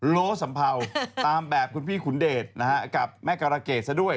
โลสัมเภาตามแบบคุณพี่ขุนเดชนะฮะกับแม่การะเกดซะด้วย